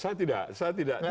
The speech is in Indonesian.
saya tidak saya tidak